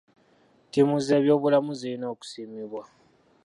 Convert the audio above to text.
Ttiimu z'ebyobulamu zirina okusiimibwa.